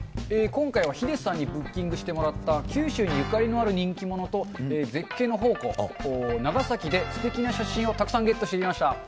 今回はヒデさんにブッキングしてもらった九州にゆかりのある人気者と、絶景の宝庫、長崎ですてきな写真をたくさんゲットしてきました。